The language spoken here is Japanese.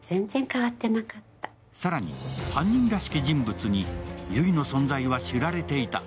更に、犯人らしき人物に悠依の存在は知られていた。